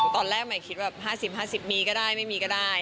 ตอนแรกใหม่คิดว่า๕๐๕๐มีก็ได้ไม่มีก็ได้